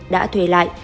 đã thuê lại